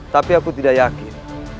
tapi aku tidak yakin